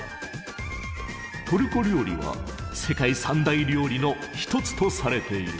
トルコ料理は世界三大料理の一つとされている。